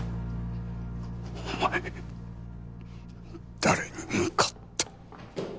お前誰に向かって。